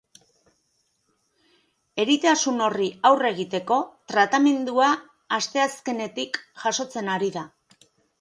Eritasun horri aurre egiteko tratamendua asteazkenetik jasotzen ari da.